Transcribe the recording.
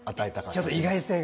ちょっと意外性が。